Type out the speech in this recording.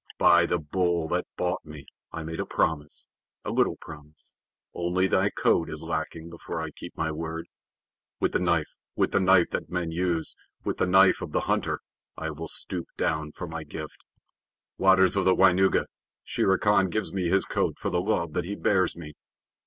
By the Bull that bought me I made a promise a little promise. Only thy coat is lacking before I keep my word. With the knife, with the knife that men use, with the knife of the hunter, I will stoop down for my gift. Waters of the Waingunga, Shere Khan gives me his coat for the love that he bears me.